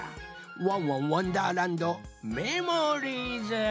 「ワンワンわんだーらんどメモリーズ」。